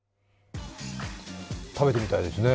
食べてみたいですね。